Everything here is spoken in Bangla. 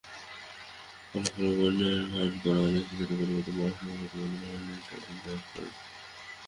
ফলাফলের ওপর নির্ভর করে অনেক শিক্ষার্থী পরবর্তী বর্ষের পাঠ-পরিকল্পনা নির্ধারণ করেন।